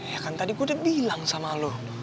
ya kan tadi gua udah bilang sama lu